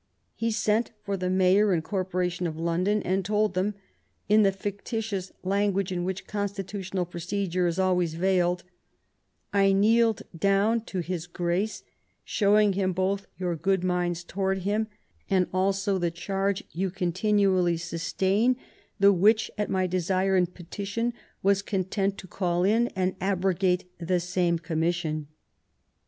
He sent for the mayor and corporation of London and told them, in the fictitious language in which constitutional pro cedure is always veiled, " I kneeled down to his Grace, showing him both your good minds towards him and also vu RENEWAL OF PEACE 118 the charge you continually sustain, the which, at my desire and petition, was content to call in and abrogate the same commission."